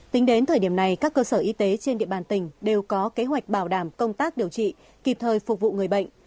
tính đến thời điểm này các cơ sở y tế trên địa bàn tỉnh đều có kế hoạch bảo đảm công tác điều trị kịp thời phục vụ người bệnh